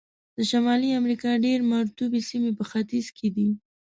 د شمالي امریکا ډېر مرطوبو سیمې په ختیځ کې دي.